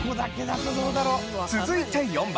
続いて４番。